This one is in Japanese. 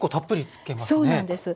そうなんです。